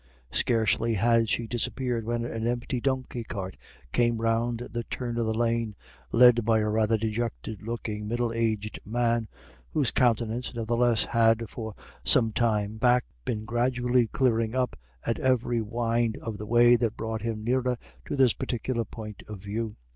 Scarcely had she disappeared when an empty donkey cart came round the turn of the lane, led by a rather dejected looking middle aged man, whose countenance, nevertheless, had for some time back been gradually clearing up at every wind of the way that brought him nearer to this particular point of view.